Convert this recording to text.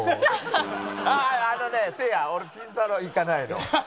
あのねせいや俺ピンサロは行かないの。